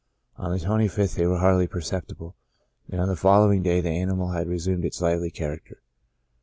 On the 25th they were hardly perceptible, and on the following day the animal had resumed his lively character.